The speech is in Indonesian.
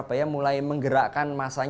dibawa bzt kembali ke antarabayang arjir